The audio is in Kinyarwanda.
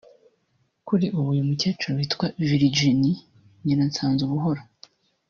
Kuri ubu uyu mukecuru witwa Virginie Nyiransanzubuhoro